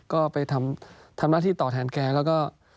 ก็ไปทำหน้าที่ต่อแทนแกแล้วก็